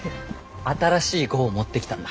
新しい号を持ってきたんだ。